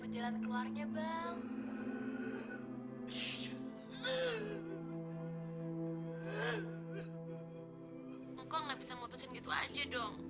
kasih kesempatan dikit kayak buat bang hafid